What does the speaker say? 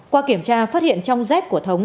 qua kiểm tra phát hiện trong dép của thống